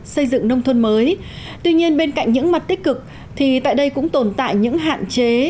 xây dựng nông thôn mới tuy nhiên bên cạnh những mặt tích cực thì tại đây cũng tồn tại những hạn chế